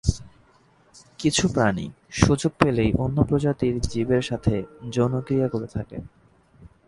কিছু প্রাণী সুযোগ পেলেই অন্য প্রজাতির জীবের সাথে যৌনক্রিয়া করে থাকে।